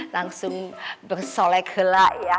langsung bersolek helek ya